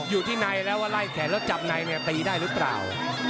อยู่ที่ในแล้วว่าไล่แขนแล้วจับในเนี่ยตีได้หรือเปล่า